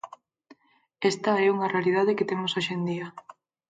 Esta é unha realidade que temos hoxe en día.